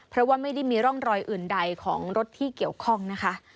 เพราะว่าไม่ได้มีร่องรอยอื่นใดของรถที่เกี่ยวข้องนะคะ